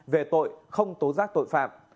về tội không tố giác tội phạm